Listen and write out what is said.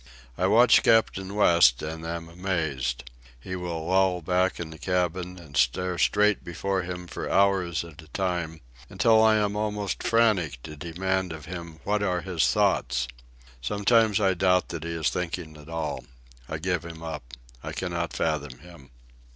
I watch Captain West and am amazed. He will loll back in the cabin and stare straight before him for hours at a time, until I am almost frantic to demand of him what are his thoughts. Sometimes I doubt that he is thinking at all. I give him up. I cannot fathom him.